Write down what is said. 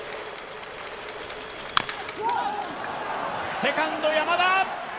セカンド、山田！